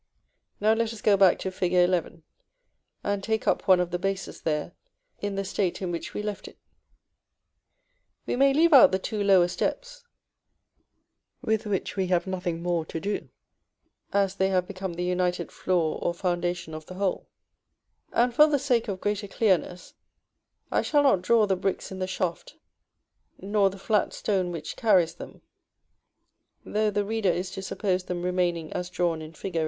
Now let us go back to Fig. XI., and take up one of the bases there, in the state in which we left it. We may leave out the two lower steps (with which we have nothing more to do, as they have become the united floor or foundation of the whole), and, for the sake of greater clearness, I shall not draw the bricks in the shaft, nor the flat stone which carries them, though the reader is to suppose them remaining as drawn in Fig.